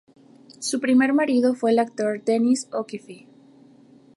Su primer marido fue el actor Dennis O'Keefe.